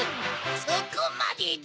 そこまでだ！